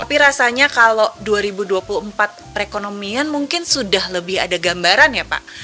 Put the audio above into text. tapi rasanya kalau dua ribu dua puluh empat perekonomian mungkin sudah lebih ada gambaran ya pak